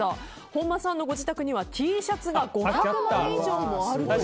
本間さんのご自宅にはＴシャツが５００枚以上あると。